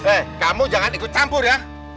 eh kamu jangan ikut campur ya